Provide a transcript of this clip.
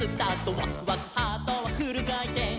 「ワクワクハートはフルかいてん」